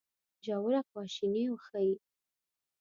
ژوره خواشیني وښيي.